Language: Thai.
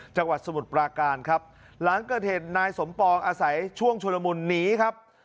สมุทรปราการครับหลังเกิดเหตุนายสมปองอาศัยช่วงชุลมุนหนีครับ